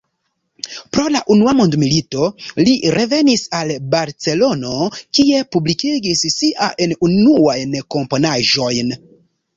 Pro la Unua Mondmilito, li revenis al Barcelono, kie publikigis siajn unuajn komponaĵojn.